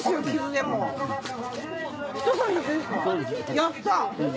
やった！